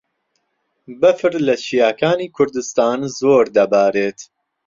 بەفر لە چیاکانی کوردستان زۆر دەبارێت.